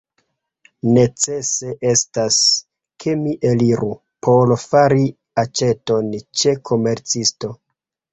Necese estas, ke mi eliru por fari aĉeton ĉe komercisto.